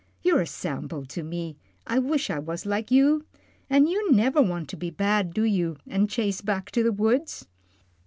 You're a sample to me; I wish I was like you. An' you never want to be bad, do you, an' chase back to the woods?"